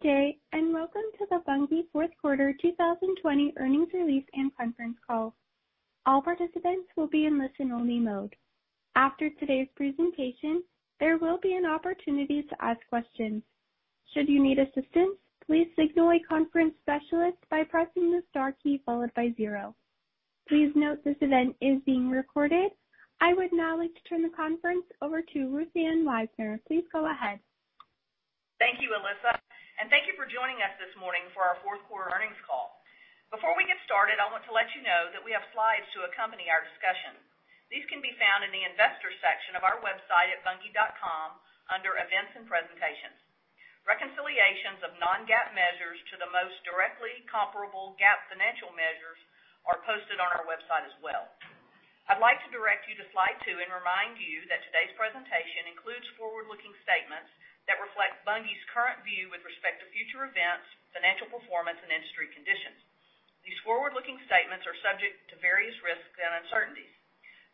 Good day, and welcome to the Bunge fourth quarter 2020 earnings release and conference call. All participants will be in listen only mode. After today's presentation, there will be an opportunity to ask questions. Should you need assistance, please signal a conference specialist by pressing the star key followed by zero. Please note this event is being recorded. I would now like to turn the conference over to Ruth Ann Wisener. Please go ahead. Thank you, Alyssa, and thank you for joining us this morning for our fourth quarter earnings call. Before we get started, I want to let you know that we have slides to accompany our discussion. These can be found in the investor section of our website at bunge.com under Events and Presentations. Reconciliations of non-GAAP measures to the most directly comparable GAAP financial measures are posted on our website as well. I'd like to direct you to slide two and remind you that today's presentation includes forward-looking statements that reflect Bunge's current view with respect to future events, financial performance, and industry conditions. These forward-looking statements are subject to various risks and uncertainties.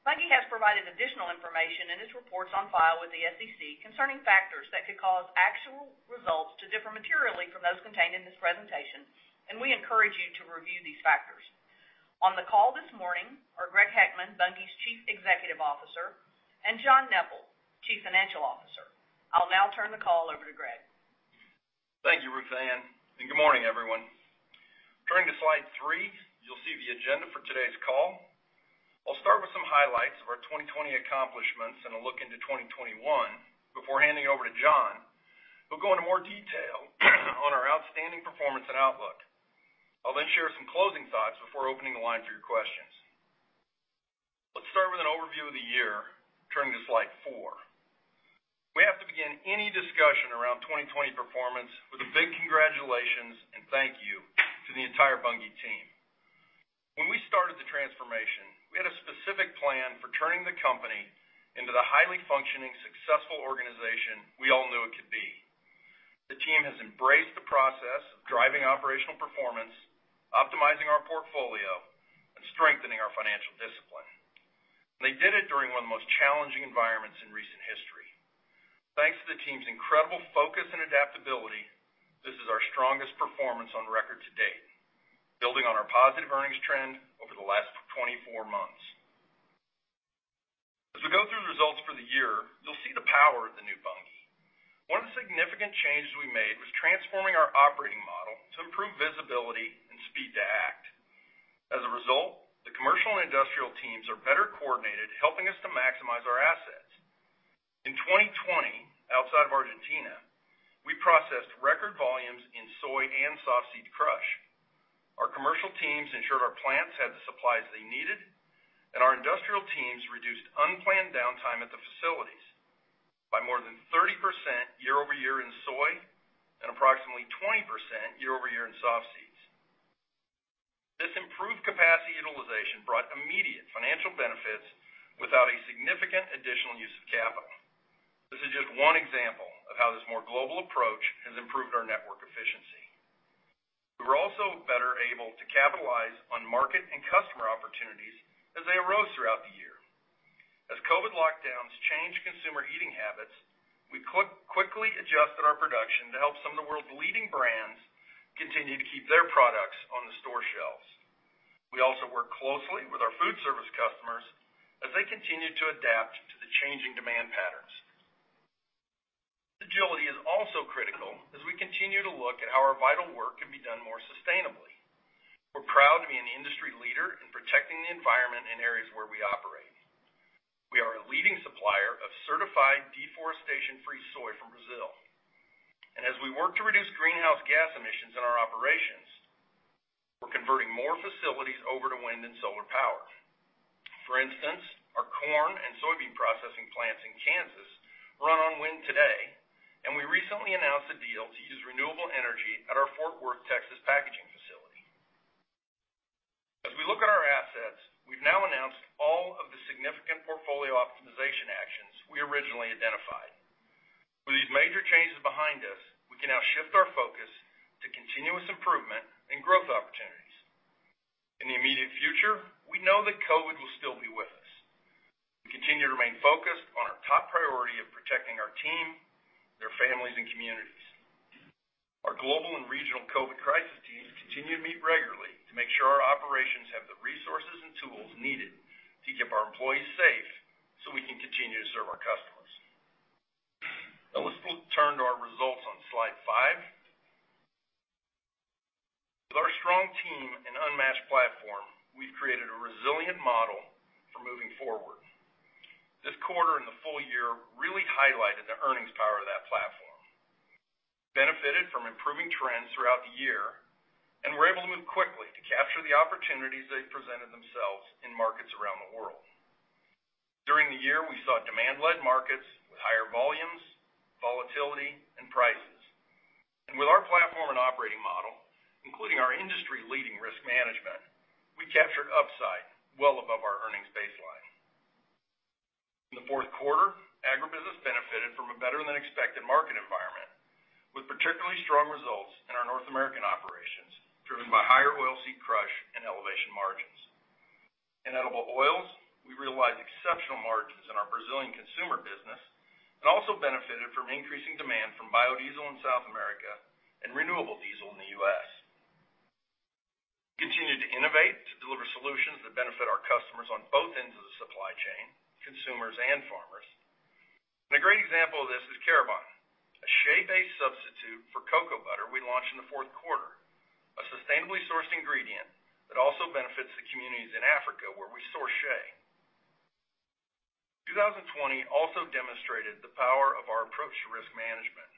Bunge has provided additional information in its reports on file with the SEC concerning factors that could cause actual results to differ materially from those contained in this presentation, and we encourage you to review these factors. On the call this morning are Greg Heckman, Bunge's Chief Executive Officer, and John Neppl, Chief Financial Officer. I'll now turn the call over to Greg. Thank you, Ruth Ann. Good morning, everyone. Turning to slide three, you'll see the agenda for today's call. I'll start with some highlights of our 2020 accomplishments and a look into 2021 before handing over to John, who'll go into more detail on our outstanding performance and outlook. I'll share some closing thoughts before opening the line for your questions. Let's start with an overview of the year, turning to slide four. We have to begin any discussion around 2020 performance with a big congratulations and thank you to the entire Bunge team. When we started the transformation, we had a specific plan for turning the company into the highly-functioning, successful organization we all knew it could be. The team has embraced the process of driving operational performance, optimizing our portfolio, and strengthening our financial discipline. They did it during one of the most challenging environments in recent history. Thanks to the team's incredible focus and adaptability, this is our strongest performance on record to date, building on our positive earnings trend over the last 24 months. As we go through the results for the year, you'll see the power of the new Bunge. One of the significant changes we made was transforming our operating model to improve visibility and speed to act. As a result, the commercial and industrial teams are better coordinated, helping us to maximize our assets. In 2020, outside of Argentina, we processed record volumes in soy and soft seed crush. Our commercial teams ensured our plants had the supplies they needed, and our industrial teams reduced unplanned downtime at the facilities by more than 30% year-over-year in soy and approximately 20% year-over-year in soft seeds. This improved capacity utilization brought immediate financial benefits without a significant additional use of capital. This is just one example of how this more global approach has improved our network efficiency. We were also better able to capitalize on market and customer opportunities as they arose throughout the year. As COVID lockdowns changed consumer eating habits, we quickly adjusted our production to help some of the world's leading brands continue to keep their products on the store shelves. We also work closely with our food service customers as they continue to adapt to the changing demand patterns. This agility is also critical as we continue to look at how our vital work can be done more sustainably. We're proud to be an industry leader in protecting the environment in areas where we operate. We are a leading supplier of certified deforestation-free soy from Brazil. As we work to reduce greenhouse gas emissions in our operations, we're converting more facilities over to wind and solar power. For instance, our corn and oilseed processing plants in Kansas run on wind today, and we recently announced a deal to use renewable energy at our Fort Worth, Texas, packaging facility. As we look at our assets, we've now announced all of the significant portfolio optimization actions we originally identified. With these major changes behind us, we can now shift our focus to continuous improvement and growth opportunities. In the immediate future, we know that COVID will still be with us. We continue to remain focused on our top priority of protecting our team, their families, and communities. Our global and regional COVID crisis teams continue to meet regularly to make sure our operations have the resources and tools needed to keep our employees safe so we can continue to serve our customers. Let's turn to our results on slide five. With our strong team and unmatched platform, we've created a resilient model for moving forward. This quarter and the full year really highlighted the earnings power of that platform. We benefited from improving trends throughout the year, were able to move quickly to capture the opportunities as they presented themselves in markets around the world. During the year, we saw demand-led markets with higher volumes, volatility, and prices. With our platform and operating model, including our industry-leading risk management, we captured upside well above our earnings baseline. In the fourth quarter, agribusiness benefited from a better-than-expected market environment, with particularly strong results in our North American operations, driven by higher oilseed crush and elevation margins. In Edible Oils, we realized exceptional margins in our Brazilian consumer business and also benefited from increasing demand from biodiesel in South America and renewable diesel in the U.S. We continued to innovate to deliver solutions that benefit our customers on both ends of the supply chain, consumers and farmers. A great example of this is Karibon, a shea-based substitute for cocoa butter we launched in the fourth quarter, a sustainably sourced ingredient that also benefits the communities in Africa where we source shea. 2020 also demonstrated the power of our approach to risk management.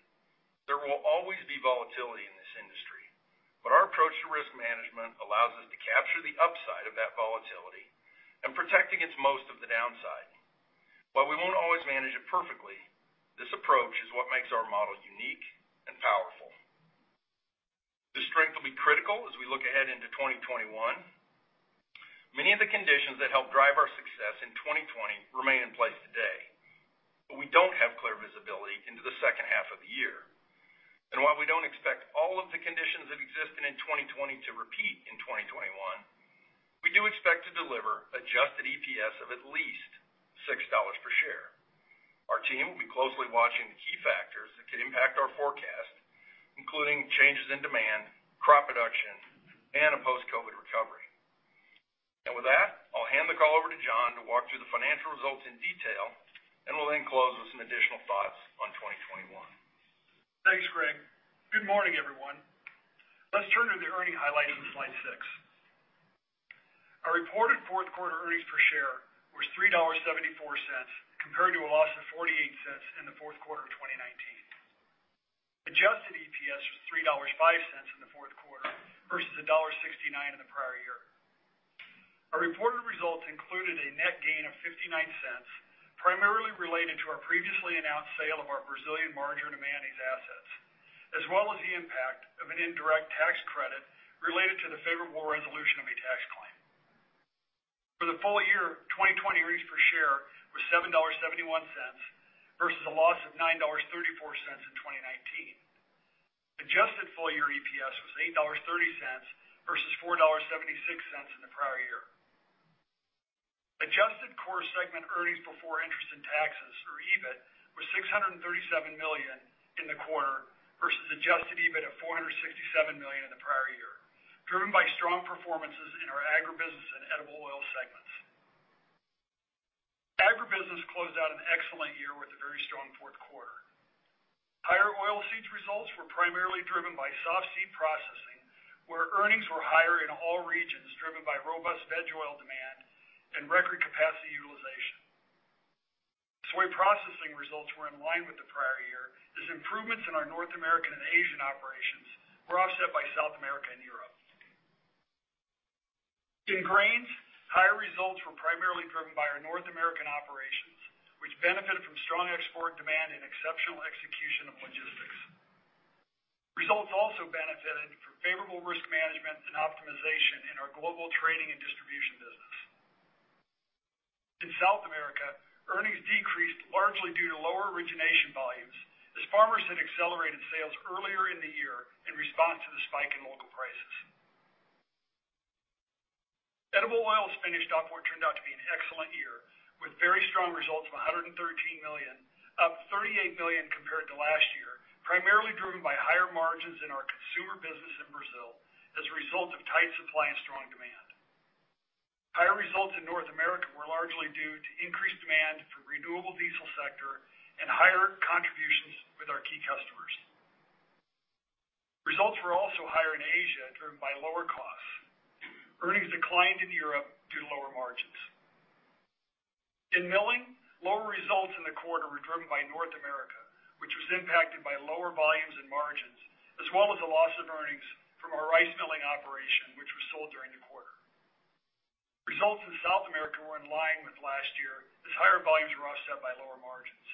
There will always be volatility in this industry, but our approach to risk management allows us to capture the upside of that volatility and protect against most of the downside. While we won't always manage it perfectly, this approach is what makes our model unique and powerful. The strength will be critical as we look ahead into 2021. Many of the conditions that helped drive our success in 2020 remain in place today, but we don't have clear visibility into the second half of the year. While we don't expect all of the conditions that existed in 2020 to repeat in 2021, we do expect to deliver adjusted EPS of at least $6 per share. Our team will be closely watching the key factors that could impact our forecast, including changes in demand, crop production, and a post-COVID recovery. With that, I'll hand the call over to John to walk through the financial results in detail, and will then close with some additional thoughts on 2021. Thanks, Greg. Good morning, everyone. Let's turn to the earnings highlights on slide six. Our reported fourth quarter earnings per share was $3.74, compared to a loss of $0.48 in the fourth quarter of 2019. Adjusted EPS was $3.05 in the fourth quarter versus $1.69 in the prior year. Our reported results included a net gain of $0.59, primarily related to our previously announced sale of our Brazilian margarine and mayonnaise assets, as well as the impact of an indirect tax credit related to the favorable resolution of a tax claim. For the full year of 2020, earnings per share were $7.71 versus a loss of $9.34 in 2019. Adjusted full-year EPS was $8.30 versus $4.76 in the prior year. Adjusted core segment earnings before interest and taxes, or EBIT, was $637 million in the quarter versus adjusted EBIT of $467 million in the prior year, driven by strong performances in our agribusiness and edible oil segments. Agribusiness closed out an excellent year with a very strong fourth quarter. Higher oilseeds results were primarily driven by softseed processing, where earnings were higher in all regions, driven by robust veg oil demand and record capacity utilization. Soy processing results were in line with the prior year as improvements in our North American and Asian operations were offset by South America and Europe. In grains, higher results were primarily driven by our North American operations, which benefited from strong export demand and exceptional execution of logistics. Results also benefited from favorable risk management and optimization in our global trading and distribution business. In South America, earnings decreased largely due to lower origination volumes as farmers had accelerated sales earlier in the year in response to the spike in local prices. Edible oil finished off what turned out to be an excellent year, with very strong results of $113 million, up $38 million compared to last year, primarily driven by higher margins in our consumer business in Brazil as a result of tight supply and strong demand. Higher results in North America were largely due to increased demand from renewable diesel sector and higher contributions with our key customers. Results were also higher in Asia, driven by lower costs. Earnings declined in Europe due to lower margins. In milling, lower results in the quarter were driven by North America, which was impacted by lower volumes and margins, as well as the loss of earnings from our rice milling operation, which was sold during the quarter. Results in South America were in line with last year as higher volumes were offset by lower margins.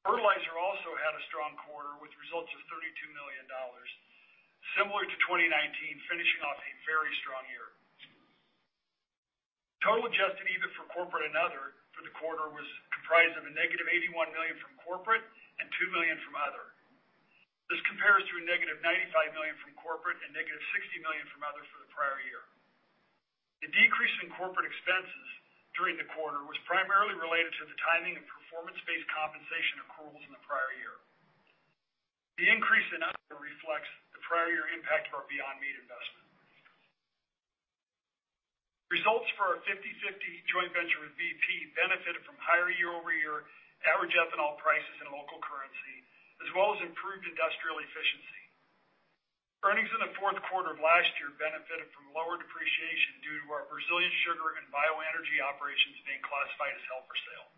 Fertilizer also had a strong quarter, with results of $32 million, similar to 2019, finishing off a very strong year. Total adjusted EBIT for corporate and other for the quarter was comprised of a negative $81 million from corporate and $2 million from other. This compares to a negative $95 million from corporate and negative $60 million from others for the prior year. The decrease in corporate expenses during the quarter was primarily related to the timing of performance-based compensation accruals in the prior year. The increase in other reflects the prior year impact of our Beyond Meat investment. Results for our 50/50 joint venture with BP benefited from higher year-over-year average ethanol prices in local currency, as well as improved industrial efficiency. Earnings in the fourth quarter of last year benefited from lower depreciation due to our Brazilian sugar and bioenergy operations being classified as held for sale.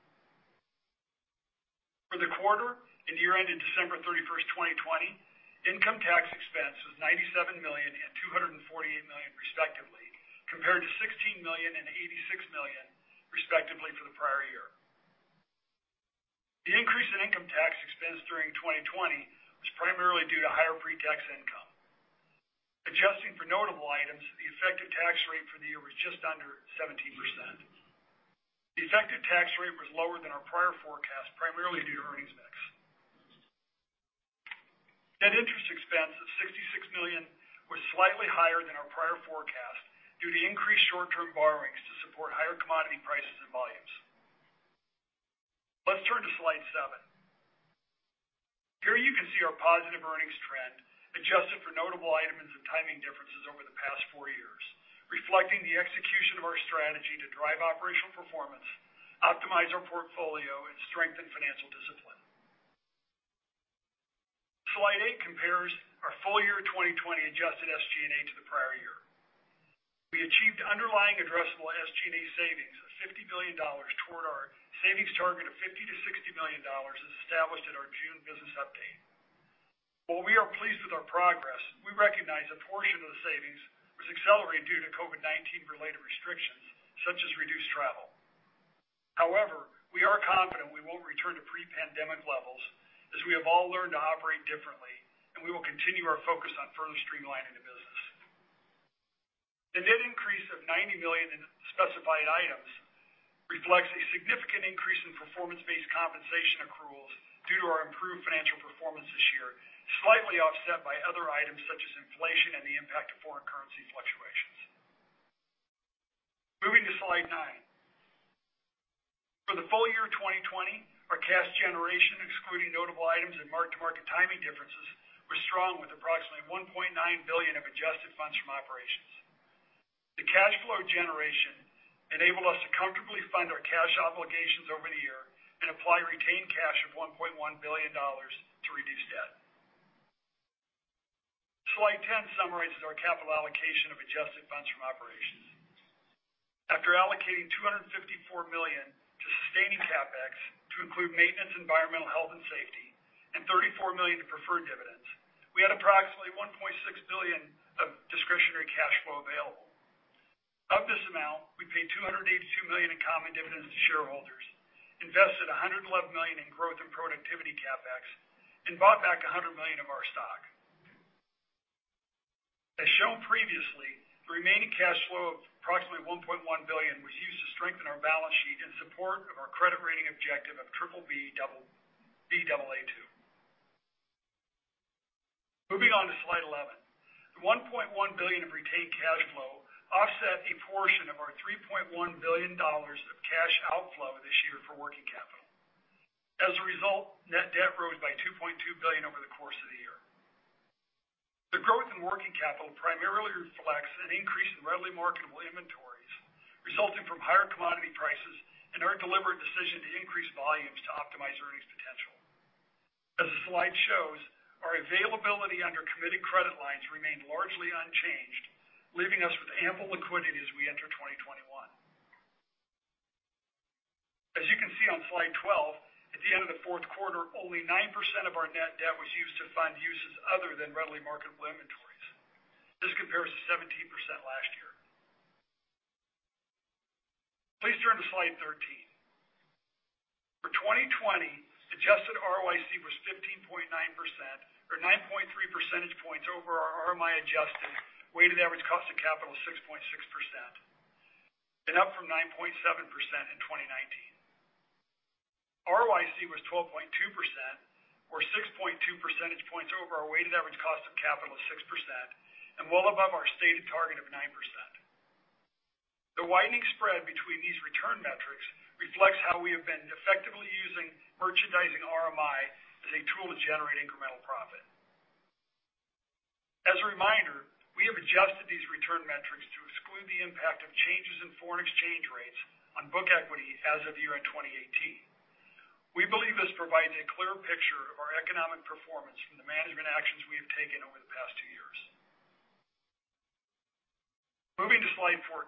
For the quarter and year ended December 31st, 2020, income tax expense was $97 million and $248 million respectively, compared to $16 million and $86 million respectively for the prior year. The increase in income tax expense during 2020 was primarily due to higher pre-tax income. Adjusting for notable items, the effective tax rate for the year was just under 17%. The effective tax rate was lower than our prior forecast, primarily due to earnings mix. Net interest expense of $66 million was slightly higher than our prior forecast due to increased short-term borrowings to support higher commodity prices and volumes. Let's turn to slide seven. Here you can see our positive earnings trend adjusted for notable items and timing differences over the past four years, reflecting the execution of our strategy to drive operational performance, optimize our portfolio, and strengthen financial discipline. Slide eight compares our full year 2020 adjusted SG&A to the prior year. We achieved underlying addressable SG&A savings of $50 million toward our savings target of $50 million-$60 million as established in our June business update. While we are pleased with our progress, we recognize a portion of the savings was accelerated due to COVID-19 related restrictions such as reduced travel. However, we are confident we won't return to pre-pandemic levels as we have all learned to operate differently, and we will continue our focus on further streamlining the business. The net increase of $90 million in specified items reflects a significant increase in performance-based compensation accruals due to our improved financial performance this year, slightly offset by other items such as inflation and the impact of foreign currency fluctuations. Moving to slide nine. For the full year 2020, our cash generation, excluding notable items and mark-to-market timing differences, were strong with approximately $1.9 billion of adjusted funds from operations. The cash flow generation enabled us to comfortably fund our cash obligations over the year and apply retained cash of $1.1 billion to reduce debt. Slide 10 summarizes our capital allocation of adjusted funds from operations. After allocating $254 million to sustaining CapEx to include maintenance, environmental health, and safety, and $34 million to preferred dividends, we had approximately $1.6 billion of discretionary cash flow available. Of this amount, we paid $282 million in common dividends to shareholders, invested $111 million in growth and productivity CapEx, and bought back $100 million of our stock. As shown previously, the remaining cash flow of approximately $1.1 billion was used to strengthen our balance sheet in support of our credit rating objective of BBB/Baa2. Moving on to slide 11. The $1.1 billion of retained cash flow offset a portion of our $3.1 billion of cash outflow this year for working capital. As a result, net debt rose by $2.2 billion over the course of the year. The growth in working capital primarily reflects an increase in readily marketable inventories resulting from higher commodity prices and our deliberate decision to increase volumes to optimize earnings potential. As the slide shows, our availability under committed credit lines remained largely unchanged, leaving us with ample liquidity as we enter 2021. As you can see on slide 12, at the end of the fourth quarter, only 9% of our net debt was used to fund uses other than readily marketable inventories. This compares to 17% last year. Please turn to slide 13. For 2020, adjusted ROIC was 15.9%, or 9.3 percentage points over our RMI adjusted weighted average cost of capital of 6.6%, and up from 9.7% in 2019. ROIC was 12.2%, or 6.2 percentage points over our weighted average cost of capital of 6%, and well above our stated target of 9%. The widening spread between these return metrics reflects how we have been effectively using merchandising RMI as a tool to generate incremental profit. As a reminder, we have adjusted these return metrics to exclude the impact of changes in foreign exchange rates on book equity as of year-end 2018. We believe this provides a clear picture of our economic performance from the management actions we have taken over the past two years. Moving to slide 14.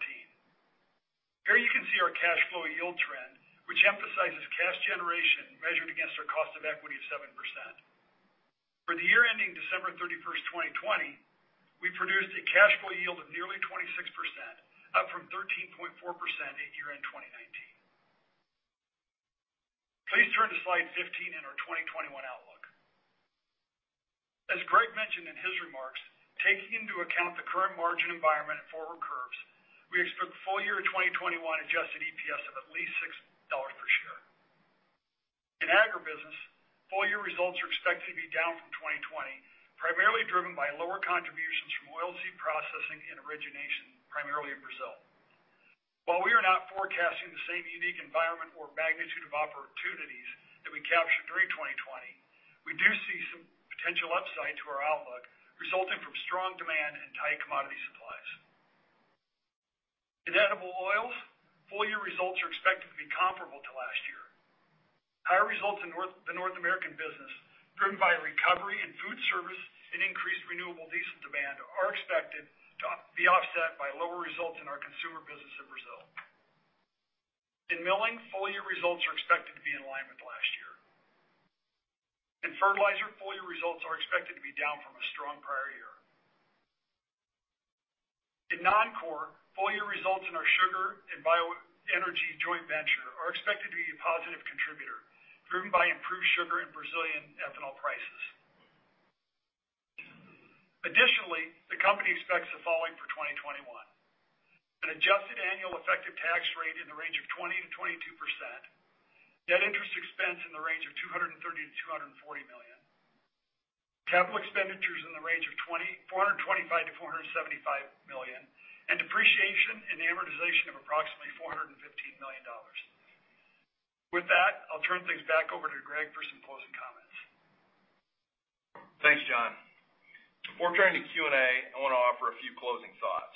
Here you can see our cash flow yield trend, which emphasizes cash generation measured against our cost of equity of 7%. For the year ending December 31st, 2020, we produced a cash flow yield of nearly 26%, up from 13.4% at year-end 2019. Please turn to slide 15 in our 2021 outlook. As Greg mentioned in his remarks, taking into account the current margin environment and forward curves, we expect full year 2021 adjusted EPS of at least $6 per share. In agribusiness, full-year results are expected to be down from 2020, primarily driven by lower contributions from oilseed processing and origination, primarily in Brazil. While we are not forecasting the same unique environment or magnitude of opportunities that we captured during 2020, we do see some potential upside to our outlook resulting from strong demand and tight commodity supplies. In edible oils, full-year results are expected to be comparable to last year. Higher results in the North American business, driven by recovery in food service and increased renewable diesel demand, are expected to be offset by lower results in our consumer business in Brazil. In milling, full-year results are expected to be in line with last year. In fertilizer, full-year results are expected to be down from a strong prior year. In non-core, full-year results in our sugar and bioenergy joint venture are expected to be a positive contributor, driven by improved sugar and Brazilian ethanol prices. Additionally, the company expects the following for 2021. Adjusted annual effective tax rate in the range of 20%-22%. Net interest expense in the range of $230 million-$240 million. CapEx in the range of $425 million-$475 million and depreciation and amortization of approximately $415 million. With that, I'll turn things back over to Greg for some closing comments. Thanks, John. Before turning to Q&A, I want to offer a few closing thoughts.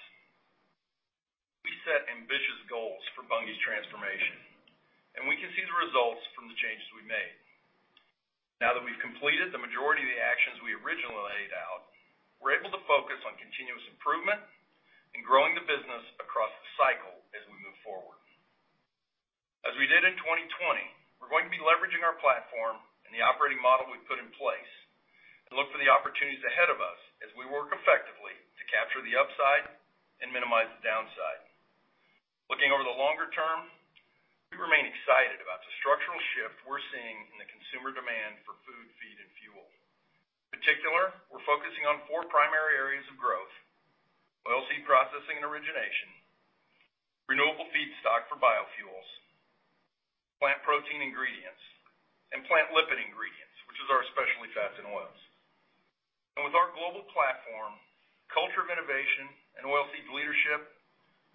We set ambitious goals for Bunge's transformation, and we can see the results from the changes we made. Now that we've completed the majority of the actions we originally laid out, we're able to focus on continuous improvement and growing the business across the cycle as we move forward. As we did in 2020, we're going to be leveraging our platform and the operating model we've put in place and look for the opportunities ahead of us as we work effectively to capture the upside and minimize the downside. Looking over the longer term, we remain excited about the structural shift we're seeing in the consumer demand for food, feed, and fuel. particular, we're focusing on four primary areas of growth, oilseed processing and origination, renewable feedstock for biofuels, plant protein ingredients, and plant lipid ingredients, which is our specialty fats and oils. With our global platform, culture of innovation, and oilseeds leadership,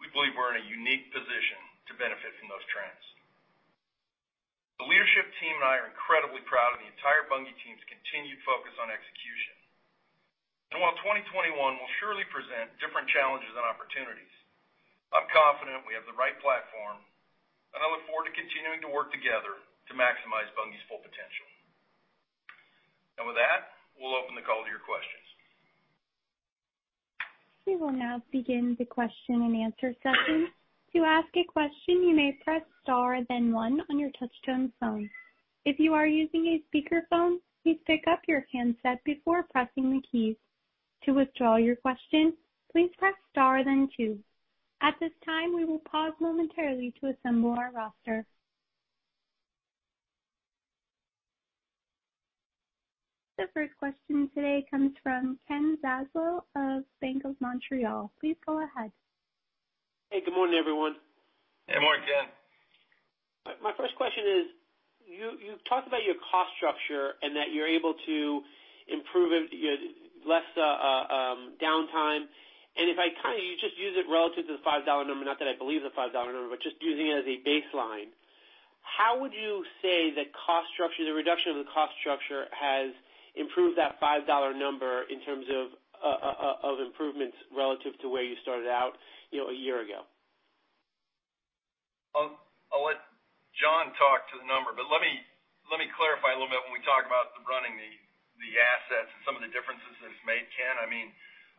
we believe we're in a unique position to benefit from those trends. The leadership team and I are incredibly proud of the entire Bunge team's continued focus on execution. While 2021 will surely present different challenges and opportunities, I'm confident we have the right platform, and I look forward to continuing to work together to maximize Bunge's full potential. With that, we'll open the call to your questions. We will now begin the question and answer session. To ask a question, you may press star then one on your touchtone phone. If you are using a speakerphone, please pick up your handset before pressing the keys. To withdraw your question, please press star then two. At this time, we will pause momentarily to assemble our roster. The first question today comes from Ken Zaslow of Bank of Montreal. Please go ahead. Hey, good morning, everyone. Good morning, Ken. My first question is, you've talked about your cost structure and that you're able to improve it, less downtime. If I kind of just use it relative to the $5 number, not that I believe the $5 number, but just using it as a baseline, how would you say the cost structure, the reduction of the cost structure has improved that $5 number in terms of improvements relative to where you started out a year ago? I'll let John talk to the number, but let me clarify a little bit when we talk about the running the assets and some of the differences that it's made, Ken.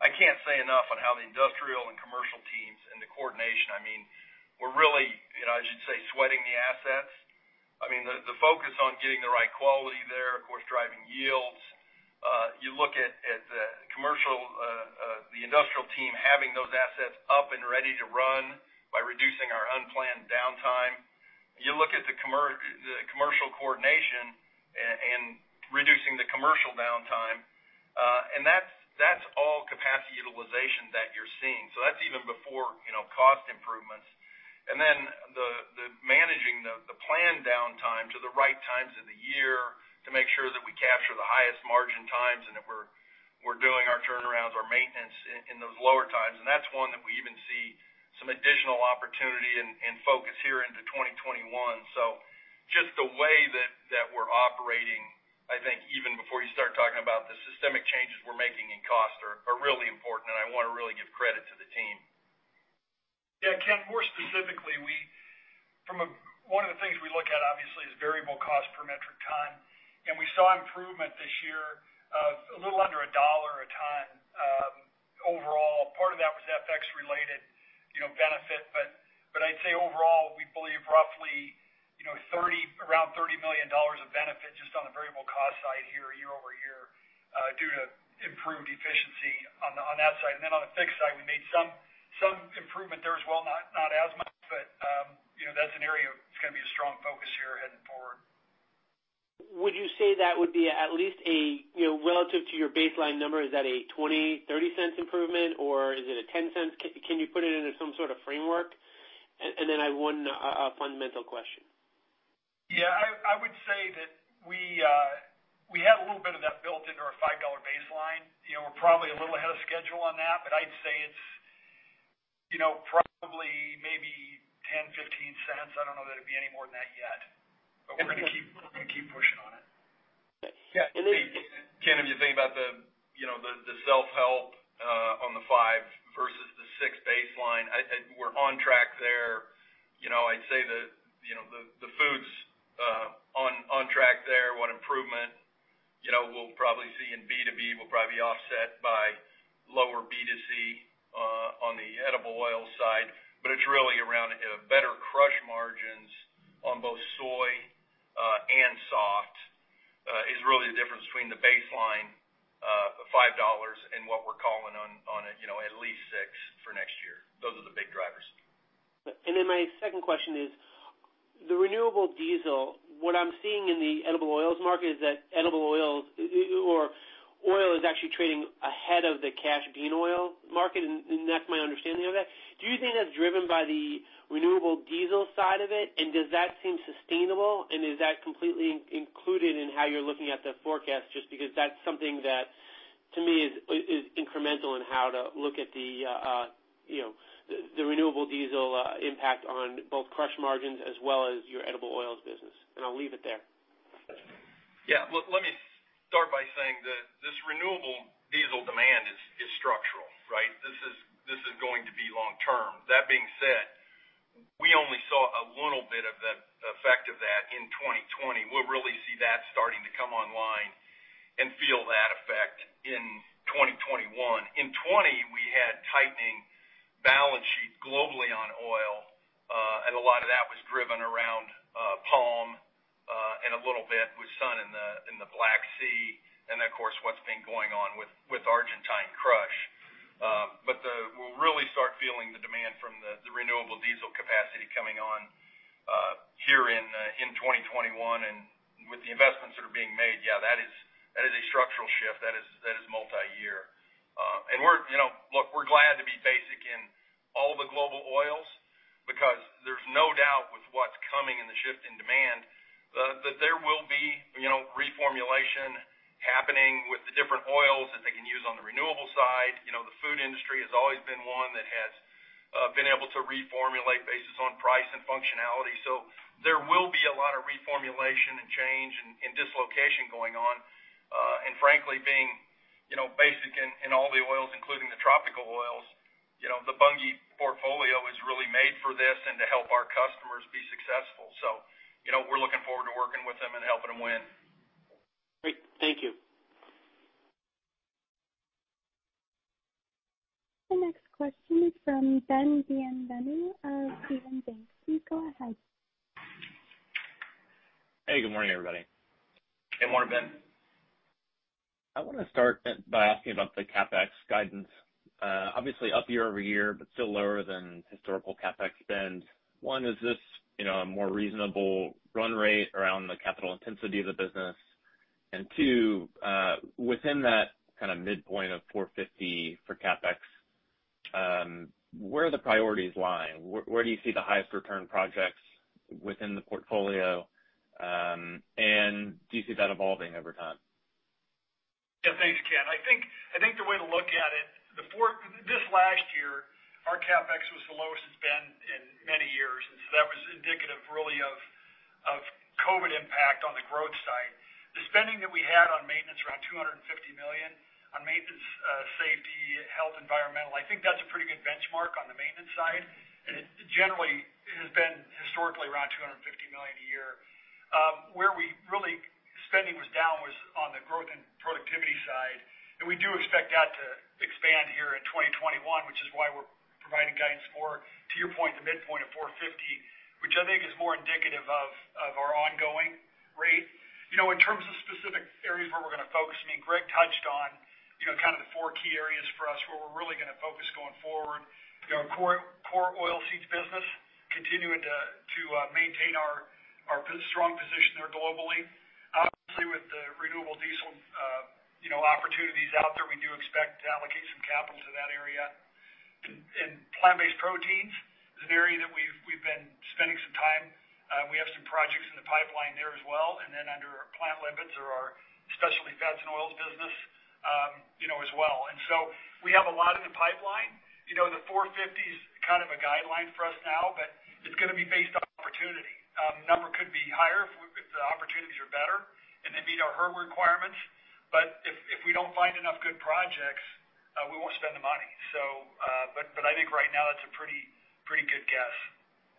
I can't say enough on how the industrial and commercial teams and the coordination. We're really, I should say, sweating the assets, the focus on getting the right quality there, of course, driving yields. You look at the commercial, the industrial team having those assets up and ready to run by reducing our unplanned downtime. You look at the commercial coordination and reducing the commercial downtime. That's all capacity utilization that you're seeing. That's even before cost improvements. The managing the planned downtime to the right times of the year to make sure that we capture the highest margin times and that we're doing our turnarounds, our maintenance in those lower times. That's one that we even see some additional opportunity and focus here into 2021. Just the way that we're operating, I think even before you start talking about the systemic changes we're making in costs are really important, and I want to really give credit to the team. Yeah, Ken, more specifically, one of the things we look at obviously is variable cost per metric ton, and we saw improvement this year of a little under $1 a ton overall. Part of that was FX related benefit, but I'd say overall, we believe roughly around $30 million of benefit just on the variable cost side here year-over-year due to improved efficiency on that side. On the fixed side, we made some improvement there as well, not as much, but that's an area that's going to be a strong focus here heading forward. Would you say that would be at least relative to your baseline number, is that a $0.20, $0.30 improvement or is it a $0.10? Can you put it into some sort of framework? Then I have one fundamental question. Yeah, I would say that we had a little bit of that built into our $5 baseline. We're probably a little ahead of schedule on that, but I'd say it's probably maybe $0.10-$0.15. I don't know that it'd be any more than that yet. We're going to keep pushing on it. Ken, if you think about the self-help on the $5 versus the $6 baseline, we're on track there. I'd say the food's on track there. What improvement we'll probably see in B2B will probably be offset by lower B2C on the edible oil side. It's really around better crush margins on both soy and soft is really the difference between the baseline of $5 and what we're calling on at least $6 for next year. Those are the big drivers. My second question is. The renewable diesel, what I'm seeing in the edible oils market is that edible oils or oil is actually trading ahead of the cash bean oil market, and that's my understanding of that. Do you think that's driven by the renewable diesel side of it? Does that seem sustainable? Is that completely included in how you're looking at the forecast? Just because that's something that to me is incremental in how to look at the renewable diesel impact on both crush margins as well as your edible oils business. I'll leave it there. Let me start by saying that this renewable diesel demand is structural, right? This is going to be long-term. That being said, we only saw a little bit of the effect of that in 2020. We'll really see that starting to come online and feel that effect in 2021. In 2020, we had tightening balance sheets globally on oil. A lot of that was driven around palm, and a little bit with sun in the Black Sea, and of course, what's been going on with Argentine crush. We'll really start feeling the demand from the renewable diesel capacity coming on here in 2021. With the investments that are being made, that is a structural shift. That is multi-year. Look, we're glad to be basic in all the global oils because there's no doubt with what's coming in the shift in demand that there will be reformulation happening with the different oils that they can use on the renewable side. The food industry has always been one that has been able to reformulate basis on price and functionality. There will be a lot of reformulation and change and dislocation going on. Frankly, being basic in all the oils, including the tropical oils, the Bunge portfolio is really made for this and to help our customers be successful. We're looking forward to working with them and helping them win. Great. Thank you. The next question is from Ben Bienvenu of Stephens Inc. Please go ahead. Hey, good morning, everybody. Good morning, Ben. I want to start by asking about the CapEx guidance. Obviously up year over year, but still lower than historical CapEx spend. One, is this a more reasonable run rate around the capital intensity of the business? Two, within that kind of midpoint of $450 for CapEx, where are the priorities lying? Where do you see the highest return projects within the portfolio? Do you see that evolving over time? Thanks, Ken. I think the way to look at it, this last year, our CapEx was the lowest it's been in many years. That was indicative really of COVID impact on the growth side. The spending that we had on maintenance, around $250 million, on maintenance, safety, health, environmental, I think that's a pretty good benchmark on the maintenance side. It generally has been historically around $250 million a year. Where really spending was down was on the growth and productivity side, and we do expect that to expand here in 2021, which is why we're providing guidance for, to your point, the midpoint of $450, which I think is more indicative of our ongoing rate. In terms of specific areas where we're going to focus, Greg touched on kind of the four key areas for us where we're really going to focus going forward. Our core oilseeds business, continuing to maintain our strong position there globally. Obviously, with the renewable diesel opportunities out there, we do expect to allocate some capital to that area. Plant-based proteins is an area that we've been spending some time. We have some projects in the pipeline there as well, under our plant lipids or our specialty fats and oils business as well. We have a lot in the pipeline. The $450 is kind of a guideline for us now, but it's going to be based on opportunity. Number could be higher if the opportunities are better and they meet our hurdle requirements. If we don't find enough good projects, we won't spend the money. I think right now that's a pretty good guess.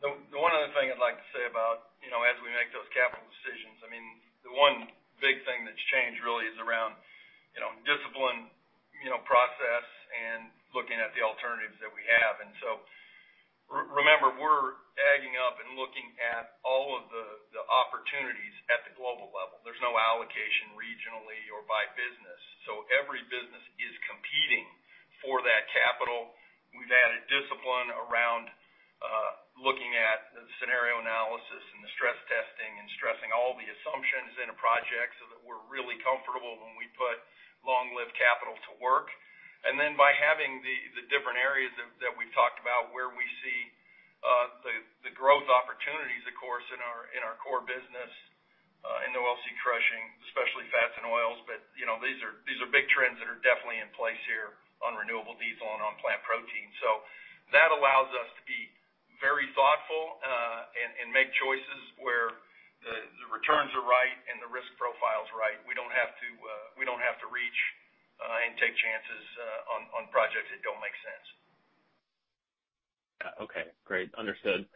The one other thing I'd like to say about as we make those capital decisions, the one big thing that's changed really is around discipline process and looking at the alternatives that we have. Remember, we're adding up and looking at all of the opportunities at the global level. There's no allocation regionally or by business. Every business is competing for that capital. We've added discipline around looking at the scenario analysis and the stress testing and stressing all the assumptions in a project so that we're really comfortable when we put long-lived capital to work. By having the different areas that we've talked about where we see the growth opportunities, of course, in our core business, in oilseed crushing, especially fats and oils. These are big trends that are definitely in place here on renewable diesel and on plant protein. That allows us to be very thoughtful and make choices where the returns are right and the risk profile's right. We don't have to reach and take chances on projects that don't make sense. Okay, great. Understood.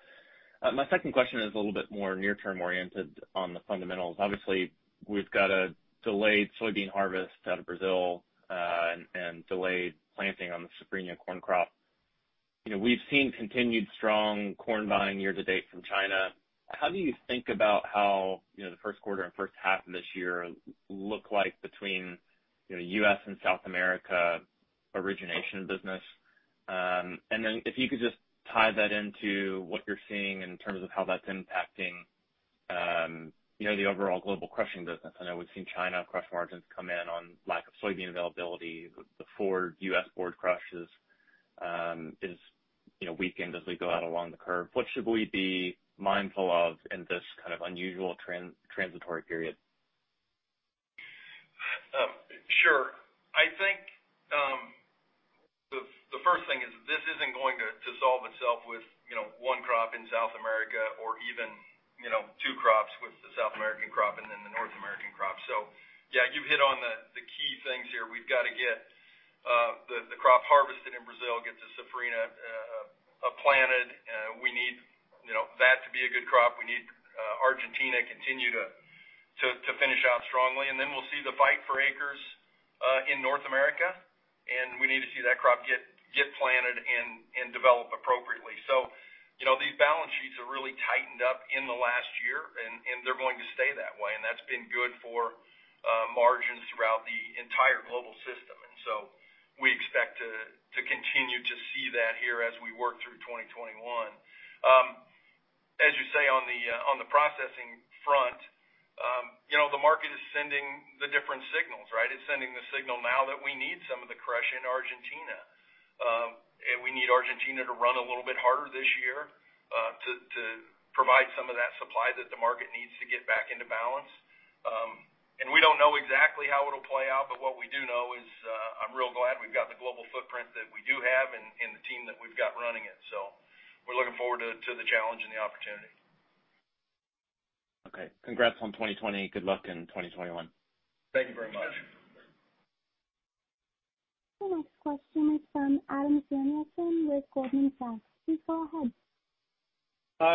My second question is a little bit more near-term oriented on the fundamentals. Obviously, we've got a delayed soybean harvest out of Brazil, and delayed planting on the Safrinha corn crop. We've seen continued strong corn buying year to date from China. How do you think about how the first quarter and first half of this year look like between U.S. and South America origination business? Then if you could just tie that into what you're seeing in terms of how that's impacting the overall global crushing business. I know we've seen China crush margins come in on lack of soybean availability. The forward U.S. board crushes is weakened as we go out along the curve. What should we be mindful of in this kind of unusual transitory period? Sure. I think the first thing is this isn't going to solve itself with one crop in South America or even two crops with the South American crop and then the North American crop. Yeah, you've hit on the key things here. We've got to get the crop harvested in Brazil, get the Safrinha planted. We need that to be a good crop. We need Argentina continue to finish out strongly. We'll see the fight for acres in North America, and we need to see that crop get planted and develop appropriately. These balance sheets have really tightened up in the last year, and they're going to stay that way, and that's been good for margins throughout the entire global system. We expect to continue to see that here as we work through 2021. As you say, on the processing front, the market is sending the different signals, right? It's sending the signal now that we need some of the crush in Argentina. We need Argentina to run a little bit harder this year to provide some of that supply that the market needs to get back into balance. We don't know exactly how it'll play out, but what we do know is I'm real glad we've got the global footprint that we do have and the team that we've got running it. We're looking forward to the challenge and the opportunity. Okay. Congrats on 2020. Good luck in 2021. Thank you very much. The next question is from Adam Samuelson with Goldman Sachs. Please go ahead.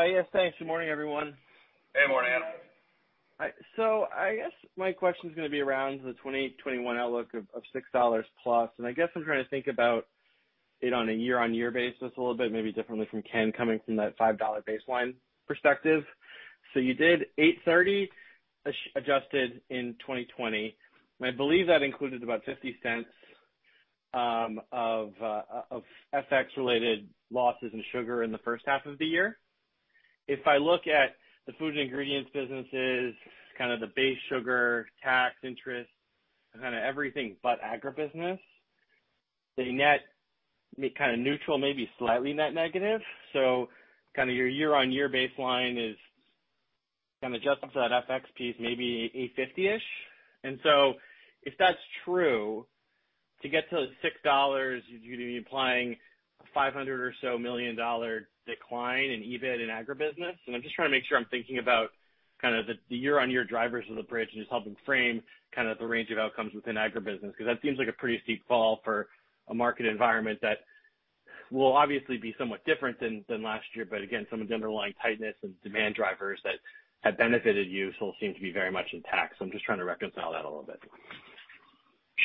Yes, thanks. Good morning, everyone. Hey. Morning, Adam. Hi. I guess my question is going to be around the 2021 outlook of $6 plus, and I guess I'm trying to think about it on a year-on-year basis a little bit, maybe differently from Ken coming from that $5 baseline perspective. You did $8.30 adjusted in 2020, and I believe that included about $0.50 of FX related losses in sugar in the first half of the year. If I look at the food and ingredients businesses, kind of the base sugar, tax interest, kind of everything but agribusiness, the net kind of neutral, maybe slightly net negative. Kind of your year-on-year baseline is kind of adjusted to that FX piece, maybe $8.50-ish. If that's true, to get to $6, you'd be implying a $500 or so million decline in EBIT and agribusiness. I'm just trying to make sure I'm thinking about kind of the year-on-year drivers of the bridge and just helping frame kind of the range of outcomes within agribusiness. That seems like a pretty steep fall for a market environment that will obviously be somewhat different than last year. Again, some of the underlying tightness and demand drivers that have benefited you still seem to be very much intact. I'm just trying to reconcile that a little bit.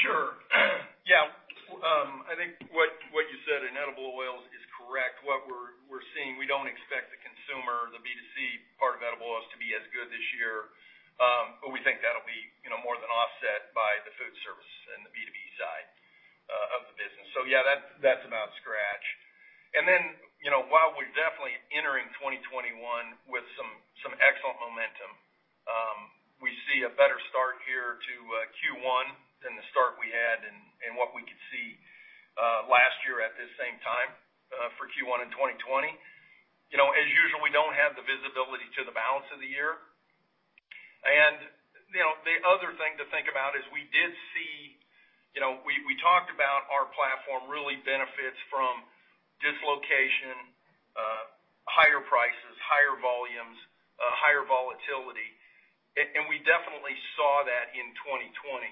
Sure. I think what you said in edible oils is correct. What we're seeing, we don't expect the consumer, the B2C part of edible oils to be as good this year. We think that'll be more than offset by the food service and the B2B side of the business. That's about scratch. While we're definitely entering 2021 with some excellent momentum, we see a better start here to Q1 than the start we had and what we could see last year at this same time for Q1 in 2020. As usual, we don't have the visibility to the balance of the year. The other thing to think about is we talked about our platform really benefits from dislocation, higher prices, higher volumes, higher volatility. We definitely saw that in 2020.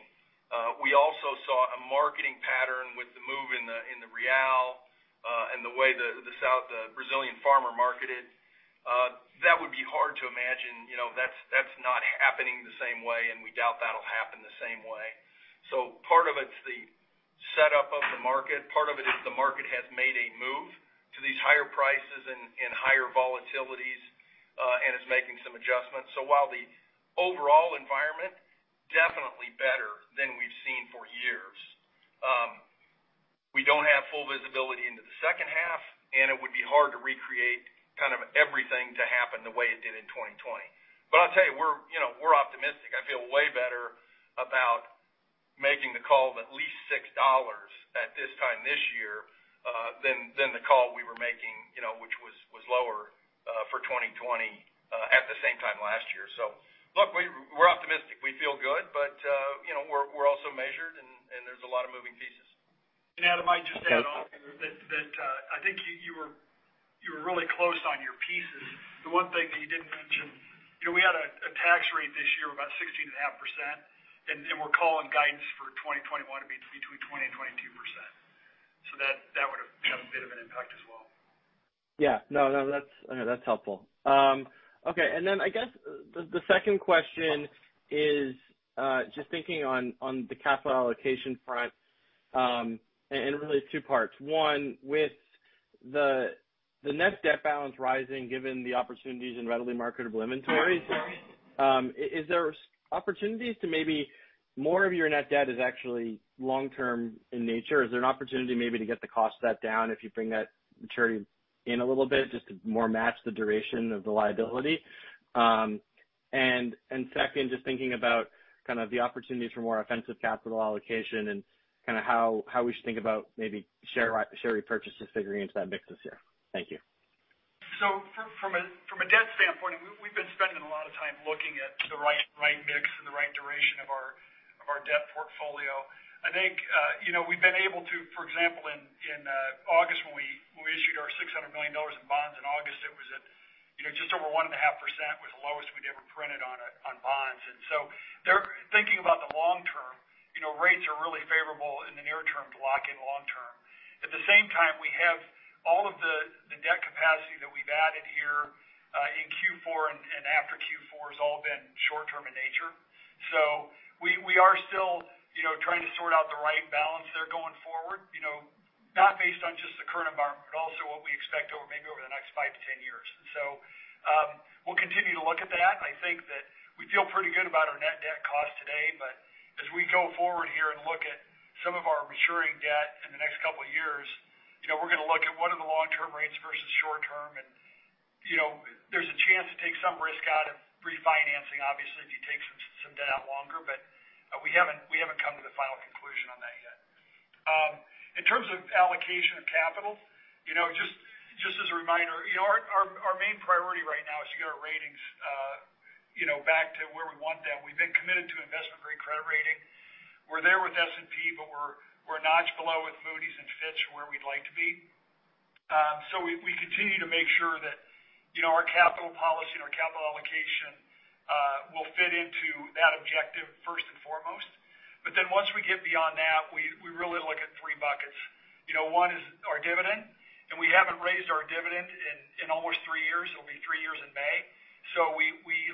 We also saw a marketing pattern with the move in the real and the way the Brazilian farmer marketed. That would be hard to imagine. That's not happening the same way, and we doubt that'll happen the same way. Part of it's the setup of the market. Part of it is the market has made a move to these higher prices and higher volatilities, and is making some adjustments. While the overall environment definitely better than we've seen for years, we don't have full visibility into the second half, and it would be hard to recreate kind of everything to happen the way it did in 2020. I'll tell you, we're optimistic. I feel way better about making the call of at least $6 at this time this year than the call we were making, which was lower for 2020 at the same time last year. Look, we're optimistic. We feel good, but we're also measured, and there's a lot of moving pieces. Adam, I just add on that I think you were really close on your pieces. The one thing that you didn't mention, we had a tax rate this year about 16.5%, and we're calling guidance for 2021 to be between 20% and 22%. That would have a bit of an impact as well. Yeah. No, that's helpful. Okay. I guess the second question is just thinking on the capital allocation front, and really it's two parts. One, the net debt balance rising, given the opportunities in readily marketable inventories. Is there opportunities to maybe more of your net debt is actually long-term in nature? Is there an opportunity maybe to get the cost of that down if you bring that maturity in a little bit, just to more match the duration of the liability? Second, just thinking about the opportunities for more offensive capital allocation and how we should think about maybe share repurchases figuring into that mix this year. Thank you. From a debt standpoint, we've been spending a lot of time looking at the right mix and the right duration of our debt portfolio. I think we've been able to, for example, in August, when we issued our $600 million in bonds in August, it was at just over 1.5% was the lowest we'd ever printed on bonds. Thinking about the long term, rates are really favorable in the near term to lock in long term. At the same time, we have all of the debt capacity that we've added here, in Q4 and after Q4 has all been short term in nature. We are still trying to sort out the right balance there going forward, not based on just the current environment, but also what we expect over maybe over the next 5-10 years. We'll continue to look at that. I think that we feel pretty good about our net debt cost today, but as we go forward here and look at some of our maturing debt in the next couple of years, we're going to look at what are the long-term rates versus short-term, and there's a chance to take some risk out of refinancing, obviously, if you take some debt out longer. We haven't come to the final conclusion on that yet. In terms of allocation of capital, just as a reminder, our main priority right now is to get our ratings back to where we want them. We've been committed to investment-grade credit rating. We're there with S&P, but we're a notch below with Moody's and Fitch from where we'd like to be. We continue to make sure that our capital policy and our capital allocation will fit into that objective first and foremost. Once we get beyond that, we really look at three buckets. One is our dividend, and we haven't raised our dividend in almost three years. It'll be three years in May.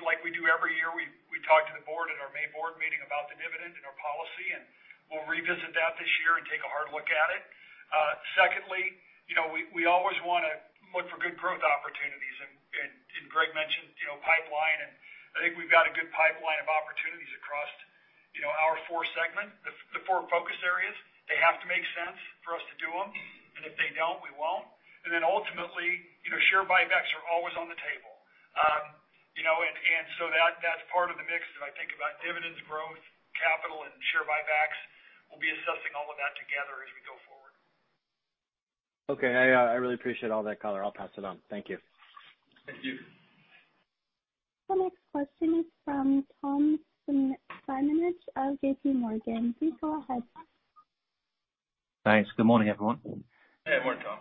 Like we do every year, we talk to the board at our May board meeting about the dividend and our policy, and we'll revisit that this year and take a hard look at it. Secondly, we always want to look for good growth opportunities. Greg mentioned pipeline, I think we've got a good pipeline of opportunities across our four segment, the four focus areas. They have to make sense for us to do them, if they don't, we won't. Ultimately, share buybacks are always on the table. That's part of the mix as I think about dividends, growth, capital, and share buybacks. We'll be assessing all of that together as we go forward. Okay. I really appreciate all that color. I'll pass it on. Thank you. Thank you. The next question is from Tom Simonitsch of JPMorgan. Please go ahead. Thanks. Good morning, everyone. Hey, good morning, Tom.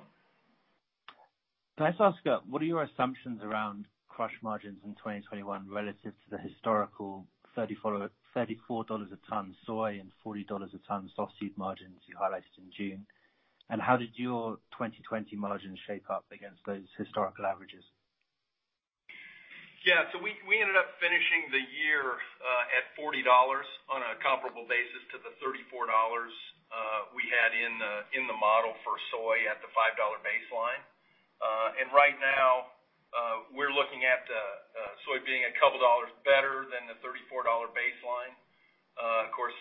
Can I just ask, what are your assumptions around crush margins in 2021 relative to the historical $34 a ton soy and $40 a ton softseed margins you highlighted in June? How did your 2020 margins shape up against those historical averages? Yeah. We ended up finishing the year at $40 on a comparable basis to the $34 we had in the model for soy at the $5 baseline. Right now, we're looking at soy being a couple of dollars better than the $34 baseline. Of course,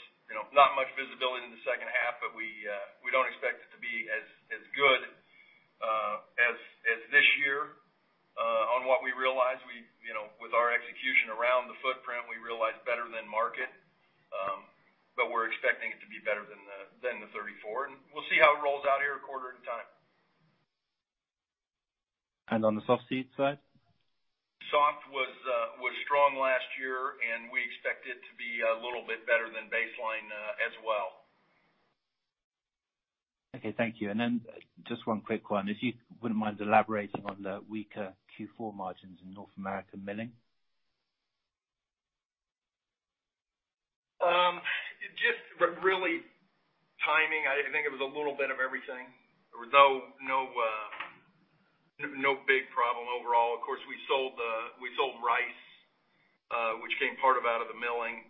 not much visibility in the second half. We don't expect it to be as good as this year on what we realized. With our execution around the footprint, we realized better than market. We're expecting it to be better than the 34. We'll see how it rolls out here a quarter at a time. On the softseed side? Soft was strong last year, and we expect it to be a little bit better than baseline as well. Okay, thank you. Just one quick one, if you wouldn't mind elaborating on the weaker Q4 margins in North America Milling? Just really timing. I think it was a little bit of everything. There was no big problem overall. Of course, we sold rice, which came part of out of the milling.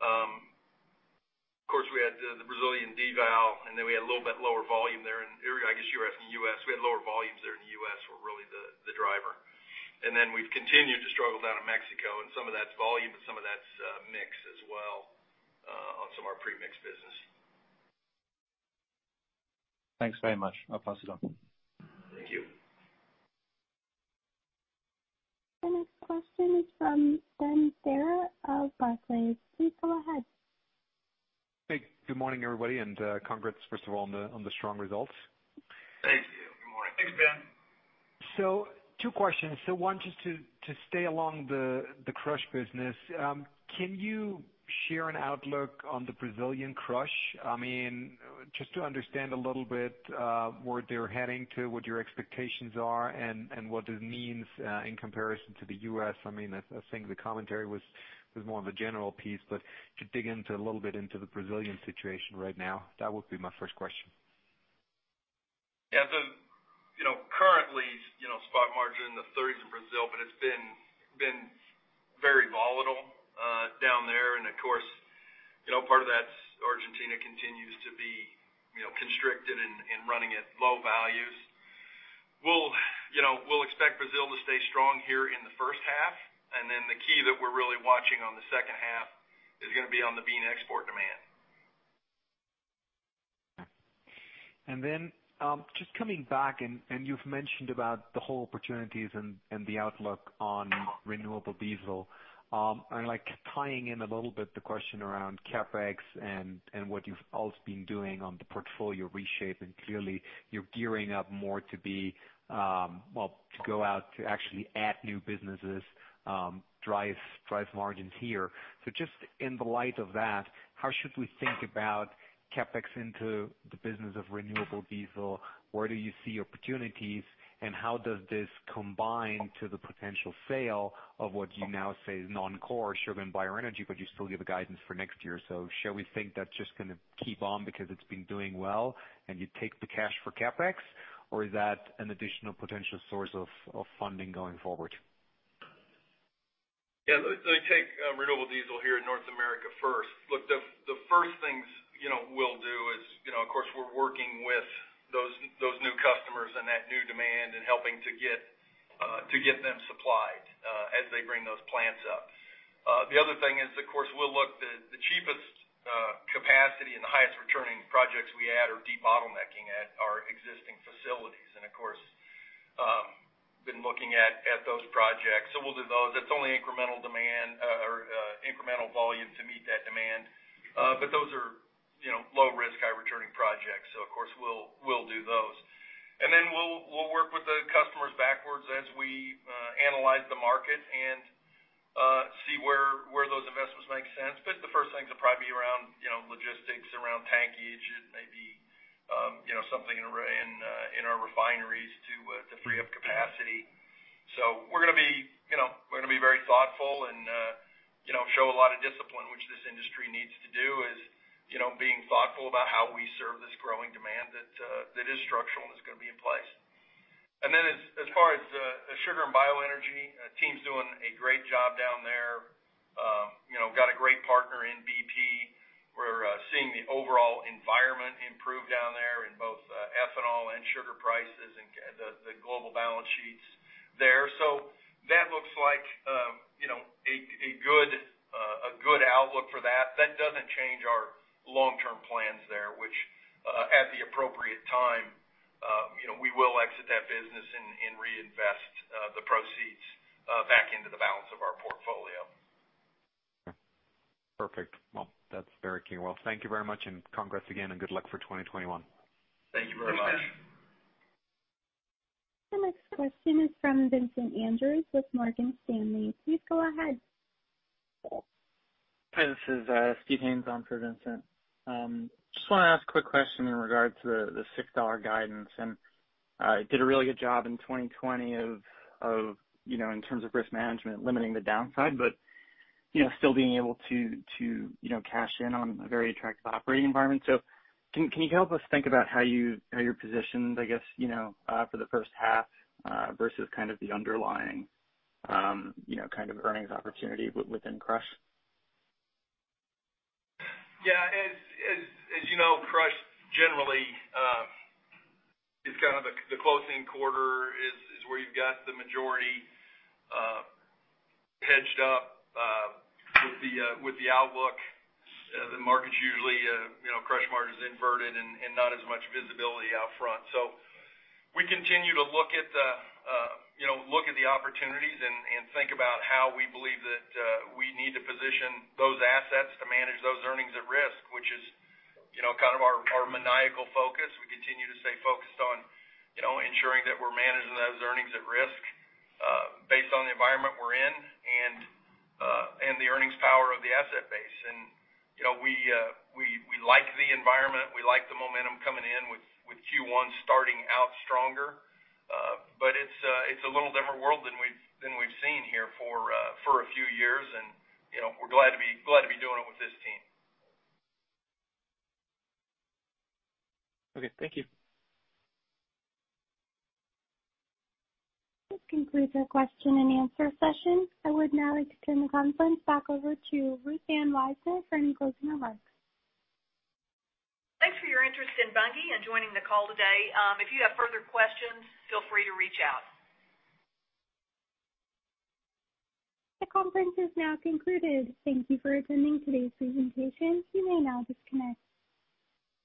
Of course, we had the Brazilian deval, and then we had a little bit lower volume there. I guess you were asking U.S. We had lower volumes there in the U.S. were really the driver. We've continued to struggle down in Mexico, and some of that's volume, but some of that's mix as well on some of our pre-mix business. Thanks very much. I'll pass it on. Thank you. The next question is from Ben Theurer of Barclays. Please go ahead. Hey, good morning, everybody. Congrats, first of all, on the strong results. Thank you. Good morning. Thanks, Ben. Two questions. One, just to stay along the crush business. Can you share an outlook on the Brazilian crush? I mean, just to understand a little bit where they're heading to, what your expectations are, and what it means in comparison to the U.S. I think the commentary was more of a general piece, to dig into a little bit into the Brazilian situation right now. That would be my first question. Yeah. Currently, spot margin in the 30s in Brazil, but it's been very volatile down there and of course, you know, part of that's Argentina continues to be constricted and running at low values. We'll expect Brazil to stay strong here in the first half. The key that we're really watching on the second half is going to be on the bean export demand. Just coming back, and you've mentioned about the whole opportunities and the outlook on renewable diesel. Tying in a little bit the question around CapEx and what you've also been doing on the portfolio reshape, and clearly you're gearing up more to go out to actually add new businesses, drive margins here. Just in the light of that, how should we think about CapEx into the business of renewable diesel? Where do you see opportunities, and how does this combine to the potential sale of what you now say is non-core sugar and bioenergy, but you still give a guidance for next year. Shall we think that's just going to keep on because it's been doing well and you take the cash for CapEx? Or is that an additional potential source of funding going forward? Yeah. Let me take renewable diesel here in North America first. Look, the first things we'll do is, of course, we're working with those new customers and that new demand and helping to get them supplied as they bring those plants up. The other thing is, of course, we'll look the cheapest capacity and the highest returning projects we had are de-bottlenecking at our existing facilities. Of course, been looking at those projects. We'll do those. That's only incremental demand or incremental volume to meet that demand. Those are low risk, high returning projects. Of course, we'll do those. We'll work with the customers backwards as we analyze the market and see where those investments make sense. The first thing to probably be around logistics, around tankage, and maybe something in our refineries to free up capacity. We're going to be very thoughtful and show a lot of discipline, which this industry needs to do is being thoughtful about how we serve this growing demand that is structural and is going to be in place. As far as sugar and bioenergy, team's doing a great job down there. Got a great partner in BP. We're seeing the overall environment improve down there in both ethanol and sugar prices and the global balance sheets there. That looks like a good outlook for that. That doesn't change our long-term plans there, which at the appropriate time we will exit that business and reinvest the proceeds back into the balance of our portfolio. Perfect. Well, that's very clear. Well, thank you very much, and congrats again and good luck for 2021. Thank you very much. The next question is from Vincent Andrews with Morgan Stanley. Please go ahead. Hi, this is Steve Haynes on for Vincent. Just want to ask a quick question in regards to the $6 guidance. Did a really good job in 2020 in terms of risk management, limiting the downside, but still being able to cash in on a very attractive operating environment. Can you help us think about how you're positioned, I guess, for the first half versus kind of the underlying kind of earnings opportunity within crush? Yeah. As you know, crush generally is kind of the closing quarter is where you've got the majority hedged up with the outlook. The market's crush margin's inverted and not as much visibility out front. We continue to look at the opportunities and think about how we believe that we need to position those assets to manage those earnings at risk, which is kind of our maniacal focus. We continue to stay focused on ensuring that we're managing those earnings at risk based on the environment we're in and the earnings power of the asset base. We like the environment. We like the momentum coming in with Q1 starting out stronger. It's a little different world than we've seen here for a few years. We're glad to be doing it with this team. Okay. Thank you. This concludes our question and answer session. I would now like to turn the conference back over to Ruth Ann Wisener for any closing remarks. Thanks for your interest in Bunge and joining the call today. If you have further questions, feel free to reach out. The conference is now concluded. Thank you for attending today's presentation. You may now disconnect.